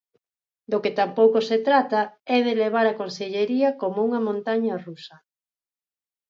Do que tampouco se trata é de levar a consellería como unha montaña rusa.